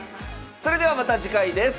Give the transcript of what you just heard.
それではまた次回です。